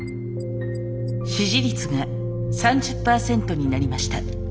支持率が３０％になりました。